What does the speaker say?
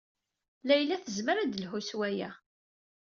Layla tezmer ad d-telhu s waya.